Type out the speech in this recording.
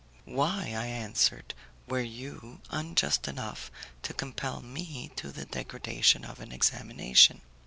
"Why," I answered, "were you unjust enough to compel me to the degradation of an examination?"